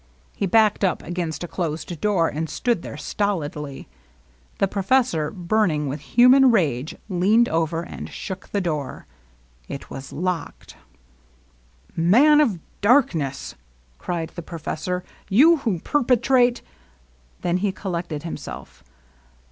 He backed up against a closed door, and stood there stolidly. The professor, burning with human rage, leaned over and shook the door. It was locked. so LOVELINESS. ^^ Man of darkness! " cried the professor. ^^ You who perpetrate" — Then he collected himself.